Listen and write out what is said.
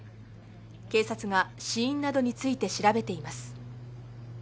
警察が死因などについて調べています。